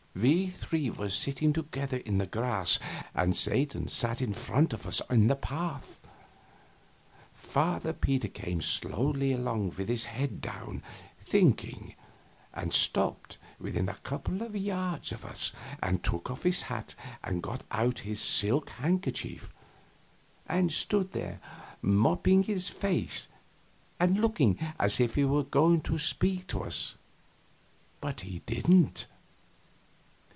We three were sitting together in the grass, and Satan sat in front of us in the path. Father Peter came slowly along with his head down, thinking, and stopped within a couple of yards of us and took off his hat and got out his silk handkerchief, and stood there mopping his face and looking as if he were going to speak to us, but he didn't.